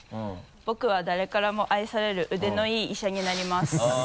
「僕は誰からも愛される腕のいい医者になります。」